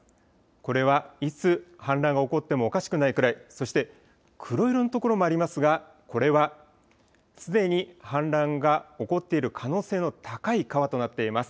これはいつ氾濫が起こってもおかしくないくらい、そして黒色のところもありますが、これは、すでに氾濫が起こっている可能性の高い川となっています。